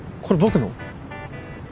これ僕の？